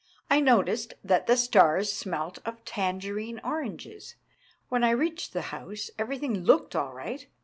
I noticed that the stars smelt of tangerine oranges. When I reached the house everything looked all right.